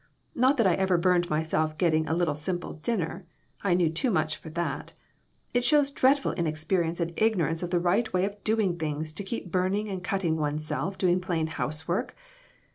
Not that I ever burned myself getting a little simple dinner; I knew too much for that. It shows dreadful inex perience and ignorance of the right way of doing things to keep burning and cutting one's self doing plain housework.